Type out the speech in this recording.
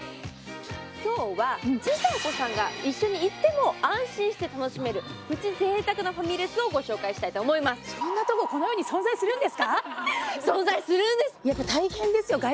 今日は小さいお子さんが一緒に行っても安心して楽しめるプチ贅沢なファミレスをご紹介したいと思います存在するんです！